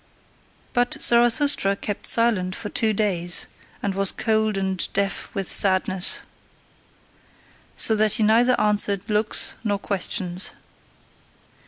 But Zarathustra kept silent for two days, and was cold and deaf with sadness; so that he neither answered looks nor questions.